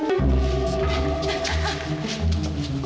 aduh enak banget